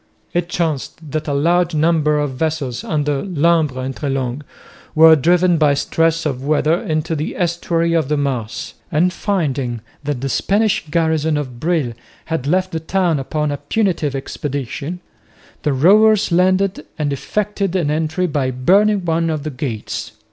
It chanced that a large number of vessels under Lumbres and Treslong were driven by stress of weather into the estuary of the Maas; and finding that the Spanish garrison of Brill had left the town upon a punitive expedition, the rovers landed and effected an entry by burning one of the gates.